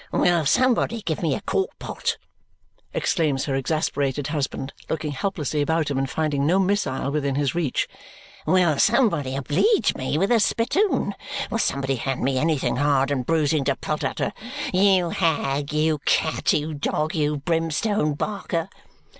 "Will somebody give me a quart pot?" exclaims her exasperated husband, looking helplessly about him and finding no missile within his reach. "Will somebody obleege me with a spittoon? Will somebody hand me anything hard and bruising to pelt at her? You hag, you cat, you dog, you brimstone barker!"